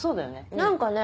何かね